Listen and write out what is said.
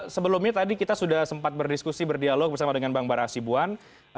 sebelumnya tadi kita sudah sempat berdiskusi berdialog bersama dengan bang bara asibuan